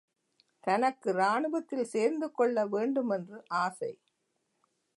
தனக்கு இராணுவத்தில் சேர்ந்துகொள்ள வேண்டுமென்று ஆசை.